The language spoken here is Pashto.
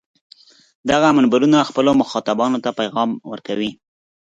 دغه منبرونه خپلو مخاطبانو ته پیغام ورکوي.